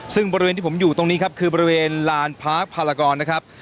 ซึ่งบริเวณที่ผมอยู่ตรงนี้ครับคือบริเวณลานพาร์คพารากรนะครับ